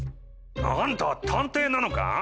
あんた探偵なのか？